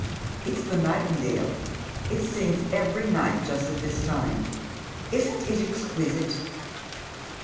" It's the nightingale. It sings every night just at this tima. Isn't it exquisite?"